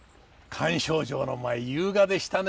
菅丞相の舞優雅でしたね。